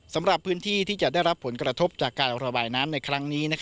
สำหรับพื้นที่ที่จะได้รับผลกระทบจากการระบายน้ำในครั้งนี้